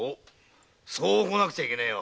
そうこなくちゃいけねぇよ。